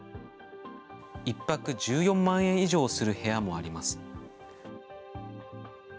１泊１４万円以上する部屋もあります。